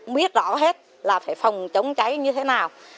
biết rõ hết là phải phòng chống cháy như thế nào